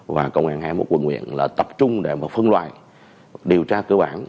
và công an hai mươi một quận nguyện tập trung để phân loại điều tra cơ bản